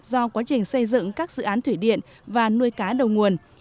do quá trình xây dựng các dự án thủy điện và nuôi cá đầu nguồn